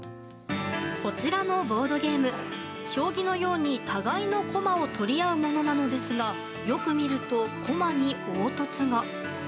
こちらのボードゲーム将棋のように互いの駒を取り合うものなのですがよく見ると、駒に凹凸が。